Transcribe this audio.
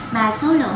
mà số lượng